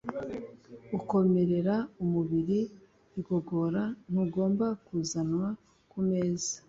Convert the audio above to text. ukomerera umubiri mu igogora. Ntugomba kuzanwa ku meza